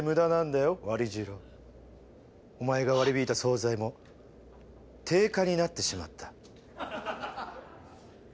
お前が割り引いた総菜も定価になってしまった。